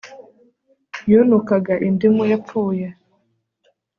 Yunukaga indimu Yapfuye